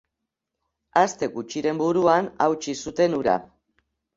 Aste gutxiren buruan hautsi zuten hura.